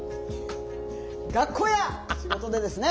学校や仕事でですね